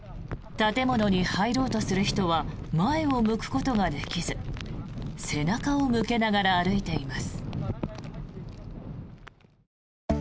建物に入ろうとする人は前を向くことができず背中を向けながら歩いています。